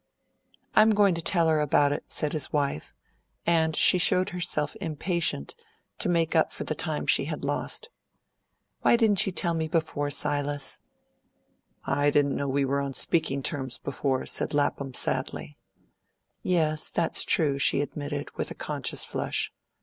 "I'm going to tell her about it," said his wife, and she showed herself impatient to make up for the time she had lost. "Why didn't you tell me before, Silas?" "I didn't know we were on speaking terms before," said Lapham sadly. "Yes, that's true," she admitted, with a conscious flush.